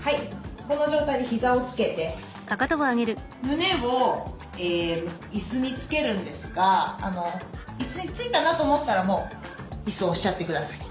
この状態で膝をつけて胸をいすにつけるんですがいすについたなと思ったらもういすを押しちゃって下さい。